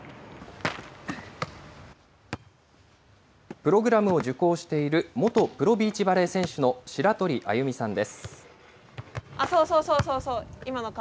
プログラムを受講している元プロビーチバレー選手の白鳥歩さんです。